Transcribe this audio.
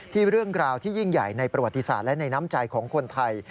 เรื่องราวที่ยิ่งใหญ่ในประวัติศาสตร์และในน้ำใจของคนไทย